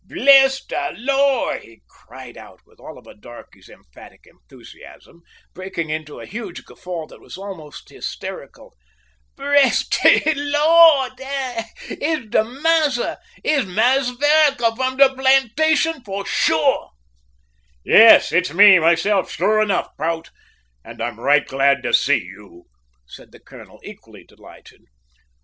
"Bress de Lor'!" he cried out, with all a darkey's emphatic enthusiasm, breaking into a huge guffaw that was almost hysterical "bress de Lor'! it's de massa; it's Mass' Vereker from de plantation, for surh!" "Yes, it's me, myself, sure enough, Prout; and I'm right glad to see you," said the colonel, equally delighted.